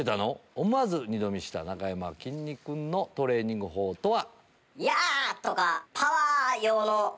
思わず二度見したなかやまきんに君のトレーニング法とは？